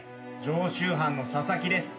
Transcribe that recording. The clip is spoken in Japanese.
常習犯の佐々木です。